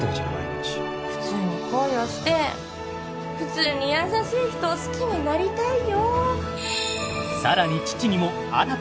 毎日普通に恋をして普通に優しい人を好きになりたいよ